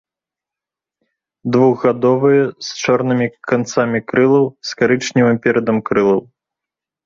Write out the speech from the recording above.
Двухгадовыя з чорнымі канцамі крылаў, з карычневым перадам крылаў.